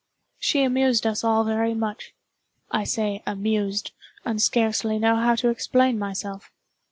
She amused us all very much. I say "amused"—and scarcely know how to explain myself.